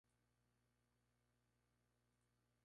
Construido, al mismo tiempo que el Restaurante ""El Central"".